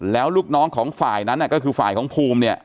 แล้วลูกน้องของฝ่ายนั้นก็คือฝ่ายของภูมิเนี่ย